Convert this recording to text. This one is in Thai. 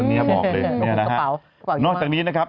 อันนี้บอกเลยนอกจากนี้นะครับ